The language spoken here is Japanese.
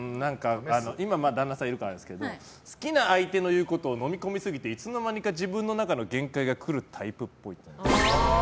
今は旦那さんいるからですけど好きな相手の言うことをのみ込みすぎていつの間にか自分の中の限界が来るタイプっぽい。